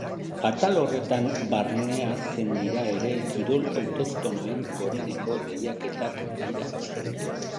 Atal horretan barne hartzen dira ere kirol autoktonoen goreneko lehiaketak maila absolutuan.